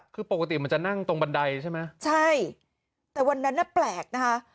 คือปกติมันจะนั่งตรงบันไดใช่ไหมใช่แต่วันนั้นน่ะแปลกนะคะ